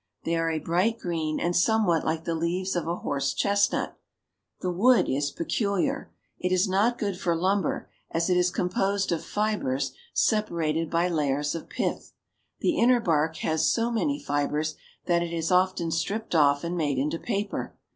They are a bright green and somewhat hke the leaves of a horse chestnut. The wood is peculiar. It is ^^^^^^^^^^^^^^^^^^^^^ not good for lumber, ^^^^^^^^^^^^^^^^^^^^H as fibers separated by layers of pith. The inner bark has so many fibers that it is often stripped off and made into paper.